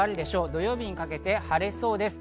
土曜日にかけて晴れそうです。